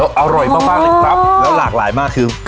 แล้วอร่อยมาก